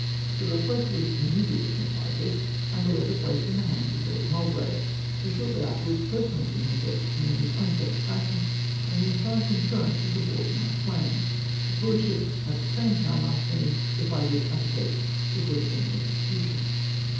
The request was immediately comphed with, and the DECLINE THE COMMAND. 345 letter placed in the hands of Lord Mulgrave, who shortly afterwards personally communicated to me liis own satisfaction, and the entire concurrence of the Board in my plan. His lordship at the same time asked me " if I would undertake to put it in execu tion